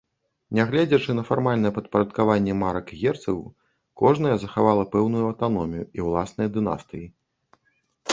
Нягледзячы на фармальнае падпарадкаванне марак герцагу, кожная захавала пэўную аўтаномію і ўласныя дынастыі.